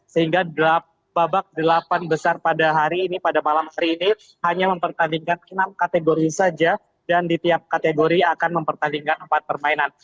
sehingga babak delapan besar pada hari ini pada malam hari ini hanya mempertandingkan enam kategori saja dan di tiap kategori akan mempertandingkan empat permainan